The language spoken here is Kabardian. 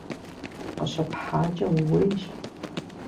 КъыщыпхьакӀэ ууейщ!